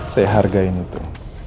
saya hargai itu